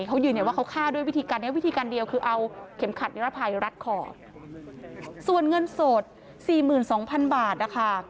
เขาค่าด้วยวิธีการเดียวคือเอาเข็มขัดนิรภัยรัดคอส่วนเงินสด๔๒๐๐๐บาทนะคะ